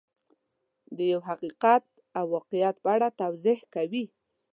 د یو حقیقت او واقعیت په اړه توضیح کوي.